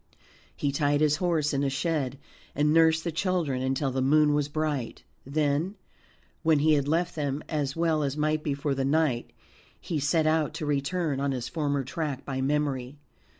He tied his horse in a shed, and nursed the children until the moon was bright. Then, when he had left them as well as might be for the night, he set out to return on his former track by memory.